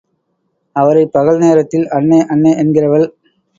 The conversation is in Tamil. அவரைப் பகல் நேரத்தில், அண்ணே... அண்ணே என்கிறவள்.